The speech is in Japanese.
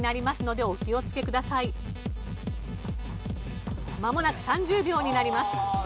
まもなく３０秒になります。